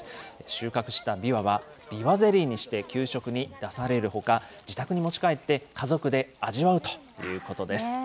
収穫したびわは、ビワゼリーにして給食に出されるほか、自宅に持ち帰って、家族で味わうということです。